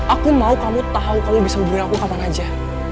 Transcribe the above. aku mau kamu tahu kamu bisa berburu aku kapan aja